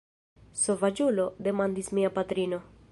Sovaĝulo!? demandis mia patrino.